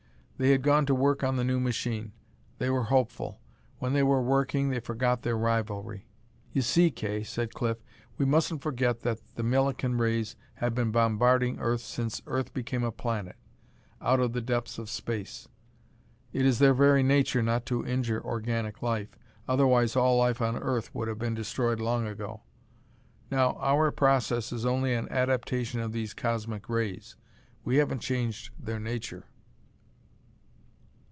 They had gone to work on the new machine. They were hopeful. When they were working, they forgot their rivalry. "You see, Kay," said Cliff, "we mustn't forget that the Millikan rays have been bombarding Earth since Earth became a planet, out of the depths of space. It is their very nature not to injure organic life, otherwise all life on Earth would have been destroyed long ago. Now, our process is only an adaptation of these cosmic rays. We haven't changed their nature."